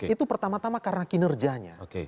itu pertama tama karena kinerjanya